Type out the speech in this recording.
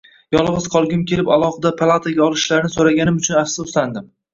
Yolgʻiz qolgim kelib alohida palataga olishlarini soʻraganim uchun afsuslandim